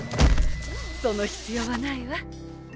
その必要はないわ。